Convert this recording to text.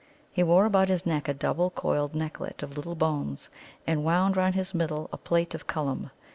He wore about his neck a double coiled necklet of little bones, and wound round his middle a plait of Cullum.